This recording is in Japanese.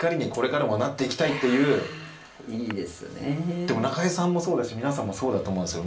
でも、中居さんもそうだし皆さんもそうだと思うんですけど。